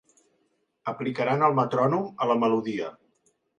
Aplicaran el metrònom a la melodia.